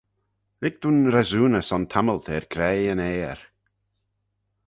Lhig dooin resooney son tammylt er graih yn Ayr.